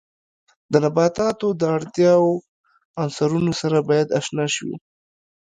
د نباتاتو د اړتیاوو عنصرونو سره باید آشنا شو.